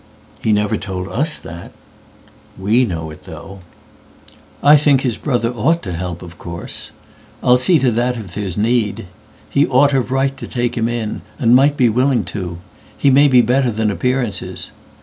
"He never told us that.""We know it though.""I think his brother ought to help, of course. I'll see to that if there is need. He ought of rightTo take him in, and might be willing to—He may be better than appearances.